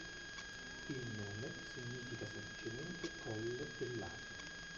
Il nome significa semplicemente colle dell'api.